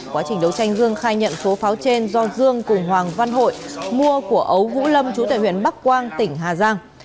quá trình đấu tranh dương khai nhận số pháo trên do dương cùng hoàng văn hội mua của ấu vũ lâm chú tại huyện bắc quang tỉnh hà giang